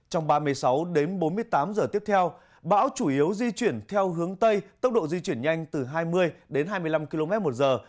trong ba mươi sáu đến bốn mươi tám giờ tiếp theo bão chủ yếu di chuyển theo hướng tây tốc độ di chuyển nhanh từ hai mươi đến hai mươi năm km một giờ